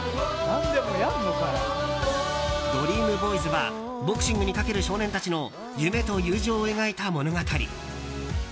「ＤＲＥＡＭＢＯＹＳ」はボクシングにかける少年たちの夢と友情を描いた物語。